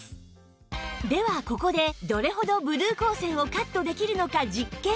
ではここでどれほどブルー光線をカットできるのか実験